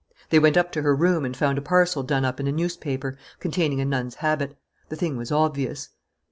They went up to her room and found a parcel done up in a newspaper, containing a nun's habit. The thing was obvious.